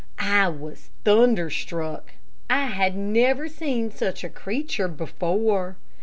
I was thunderstruck. I had never seen such a creature before.